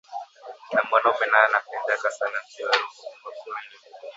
Na mwanaume naye anapendaka sana bibi waku rima